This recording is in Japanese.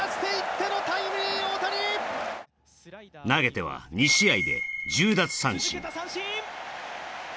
投げては、２試合で１０奪三振。